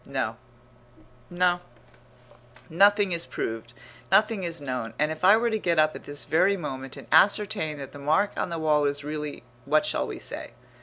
No, no, nothing is proved, nothing is known. And if I were to get up at this very moment and ascertain that the mark on the wall is really what shall we say?